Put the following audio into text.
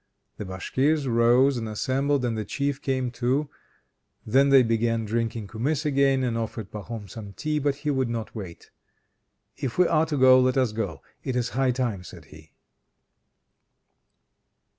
The Bashkirs rose and assembled, and the Chief came, too. Then they began drinking kumiss again, and offered Pahom some tea, but he would not wait. "If we are to go, let us go. It is high time," said he.